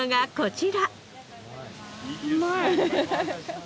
うまい！